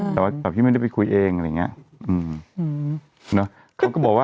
แต่ว่าพี่ไม่ได้ไปคุยเองอะไรอย่างนี้